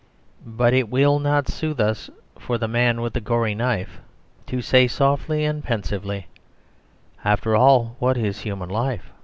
But it will not soothe us for the man with the gory knife to say softly and pensively "After all, what is human life?